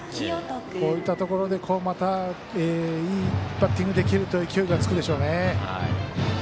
こういったところでまたいいバッティングができると勢いがつくでしょうね。